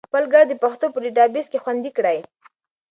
خپل ږغ د پښتو په ډیټابیس کې خوندي کړئ.